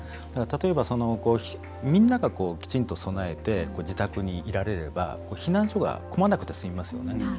例えば、みんながきちんと備えて自宅にいられれば、避難所が混まなくてすみますよね。